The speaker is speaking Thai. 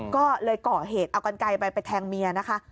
ก็เลยก่อเหตุเอากันไกลไปไปแทงเมียนะคะ